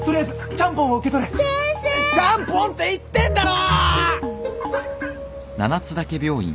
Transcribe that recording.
ちゃんぽんって言ってんだろ！